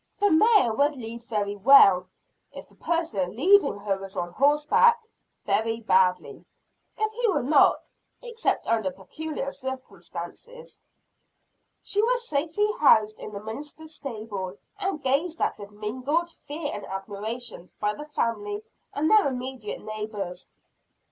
The mare would lead very well, if the person leading her was on horseback very badly, if he were not, except under peculiar circumstances. She was safely housed in the minister's stable, and gazed at with mingled fear and admiration by the family and their immediate neighbors.